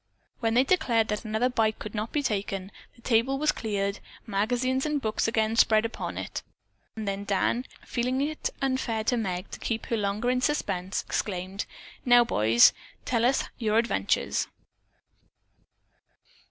When they declared that another bite could not be taken, the table was cleared, magazines and books again spread upon it, and then Dan, feeling it unfair to Meg to keep her longer in suspense, exclaimed, "Now, boys, tell us your adventures."